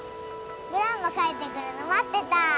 グランマ帰ってくるの待ってた。